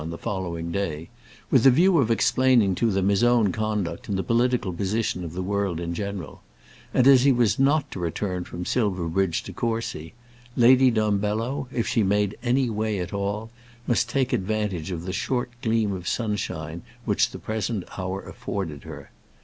on the following day, with the view of explaining to them his own conduct and the political position of the world in general; and as he was not to return from Silverbridge to Courcy, Lady Dumbello, if she made any way at all, must take advantage of the short gleam of sunshine which the present hour afforded her.